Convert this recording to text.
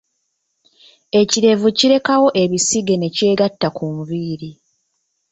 Ekirevu kirekawo ebisige ne kyegatta ku nviiri.